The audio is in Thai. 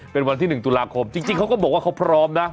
เป็นวันที่๑ตุลาคมจริงเขาก็บอกว่าเขาพร้อมนะ